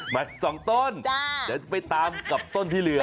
หมายถึง๒ต้นเดี๋ยวไปตามกับต้นที่เหลือ